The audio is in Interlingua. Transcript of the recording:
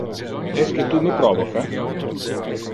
Esque tu me provoca?